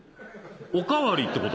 お代わりってこと？